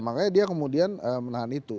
makanya dia kemudian menahan itu